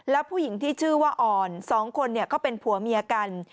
แล้วผู้หญิงที่ชื่อว่าอ่อนสองคนเขาเป็นผัวเมียกัน